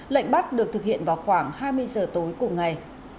lệnh bắt được thực hiện vào khoảng hai mươi giờ tối cùng ngày